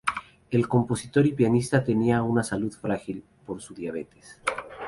El compositor y pianista tenía una salud frágil, por su diabetes.